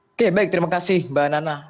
oke baik terima kasih mbak nana